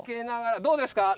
どうですか？